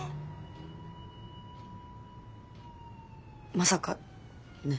まさかね。